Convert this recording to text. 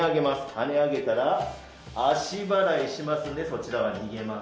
はね上げたら足払いしますんでそちらは逃げます。